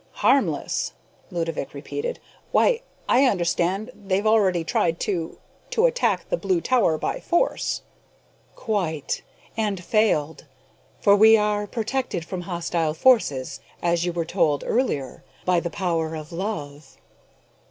"Harmless!" Ludovick repeated. "Why, I understand they've already tried to to attack the Blue Tower by force!" "Quite. And failed. For we are protected from hostile forces, as you were told earlier, by the power of love."